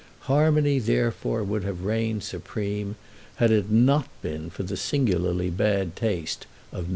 Harmony, therefore, would have reigned supreme had it not been for the singularly bad taste of No.